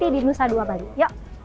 di nusa dua bali yuk